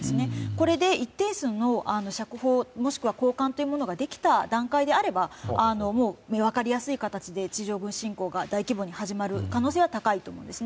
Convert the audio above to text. これで一定数の釈放もしくは交換というのができた段階であれば分かりやすい形で地上侵攻が大規模に始まる可能性は高いと思います。